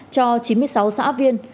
cho chín mươi sáu xã viên